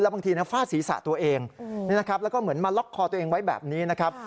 บางทีฟาดศีรษะตัวเองแล้วก็เหมือนมาล็อกคอตัวเองไว้แบบนี้นะครับ